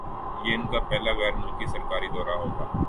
یہ ان کا پہلا غیرملکی سرکاری دورہ ہوگا